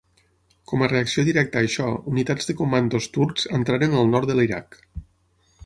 Com a reacció directa a això, unitats de comandos turcs entraren al nord de l'Iraq.